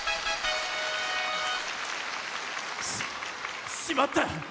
ししまった。